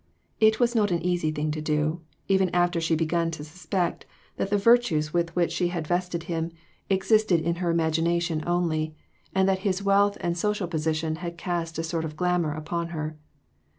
It was not an easy thing to do, even after she began to suspect that the virtues with which 386 THREE OF US. she had vested him, existed in her imagination only, and that his wealth and social position had cast a sort of glamour upon her.